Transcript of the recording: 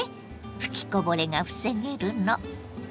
吹きこぼれが防げるの。